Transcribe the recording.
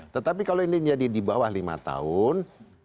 tetapi kalau ini jadi di bawah lima tahun